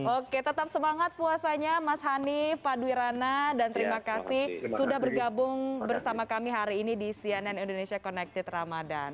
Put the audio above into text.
oke tetap semangat puasanya mas hanif pak duirana dan terima kasih sudah bergabung bersama kami hari ini di cnn indonesia connected ramadhan